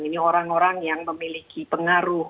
ini orang orang yang memiliki pengaruh